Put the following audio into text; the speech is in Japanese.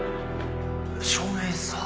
・照明さん。